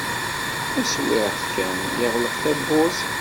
Taswiɛt kan, yeɣleq tawwurt.